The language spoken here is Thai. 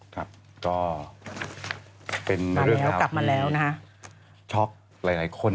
ก็เป็นเรื่องที่ช็อกหลายคน